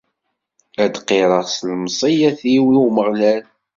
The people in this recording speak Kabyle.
Ad d-qqireɣ s lmeɛṣiyat-iw i Umeɣlal.